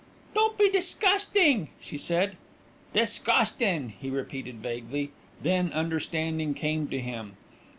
"Don't be disgusting," she said. "Disgustin'," he repeated vaguely. Then understanding came to him.